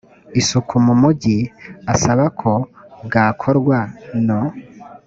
isuku mu mugi asaba ko bwakorwa no